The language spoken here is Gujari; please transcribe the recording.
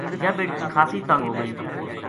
یاہ بیٹکی خاصی تنگ ہوگئی